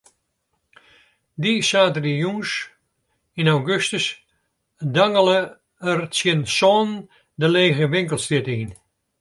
Dy saterdeitejûns yn augustus dangele er tsjin sânen de lege winkelstrjitte yn.